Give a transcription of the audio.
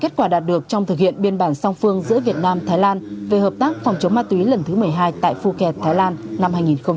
kết quả đạt được trong thực hiện biên bản song phương giữa việt nam thái lan về hợp tác phòng chống ma túy lần thứ một mươi hai tại phuket thái lan năm hai nghìn một mươi tám